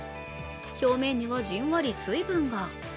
表面にはじんわり水分が。